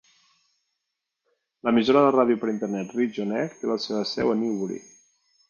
L'emissora de ràdio per internet Reach OnAir té la seva seu a Newbury.